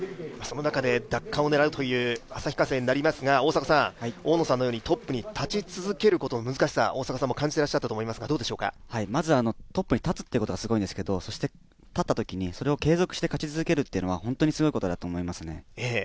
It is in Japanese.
その中で奪還を狙うという旭化成になりますが、大野さんのようにトップに立ち続けることの難しさを感じていたと思いますが、まずトップに立つということはすごいんですけど、そして立ったときにそれを継続して勝ち続けるというのは本当にすごいことだと思います。